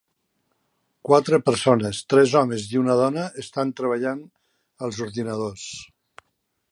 Quatre persones, tres homes i una dona estan treballant als ordinadors.